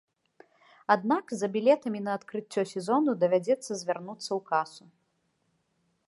Аднак за білетамі на адкрыццё сезону давядзецца звярнуцца ў касу.